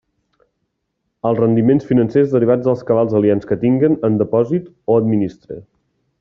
Els rendiments financers derivats dels cabals aliens que tinguen en depòsit o administre.